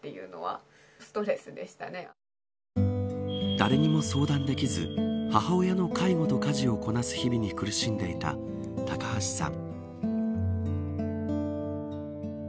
誰にも相談できず母親の介護と家事をこなす日々に苦しんでいた高橋さん。